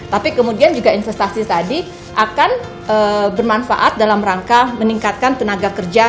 tapi kemudian juga investasi tadi akan bermanfaat dalam rangka meningkatkan tenaga kerja